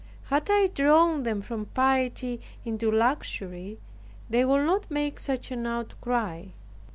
Had I drawn them from piety into luxury, they would not make such an outcry.